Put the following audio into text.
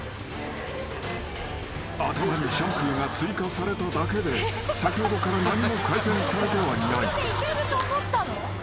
［頭にシャンプーが追加されただけで先ほどから何も改善されてはいない］